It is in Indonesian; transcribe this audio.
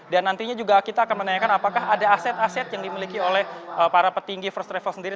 dan nantinya juga kita akan menanyakan apakah ada aset aset yang dimiliki oleh para petinggi first travel sendiri